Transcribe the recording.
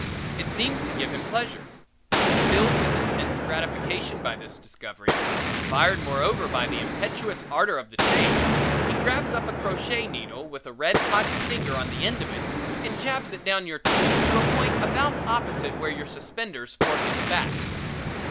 It seems to give him pleasure. Filled with intense gratification by this discovery and fired moreover by the impetuous ardor of the chase, he grabs up a crochet needle with a red hot stinger on the end of it and jabs it down your tooth to a point about opposite where your suspenders fork in the back.